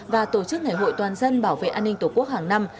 và tổ chức ngày hội toàn dân bảo vệ an ninh tổ quốc hàng năm